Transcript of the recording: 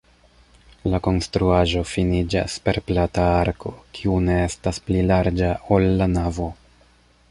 La konstruaĵo finiĝas per plata arko, kiu ne estas pli larĝa, ol la navo.